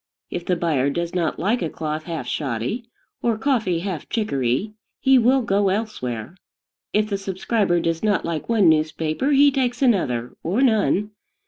If the buyer does not like a cloth half shoddy, or coffee half chicory, he will go elsewhere. If the subscriber does not like one newspaper, he takes another, or none.